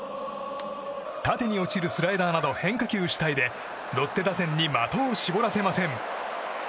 縦に落ちるスライダーなど変化球主体でロッテ打線に的を絞らせません。